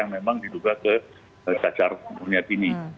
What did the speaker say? yang memang diduga ke cacar monyet ini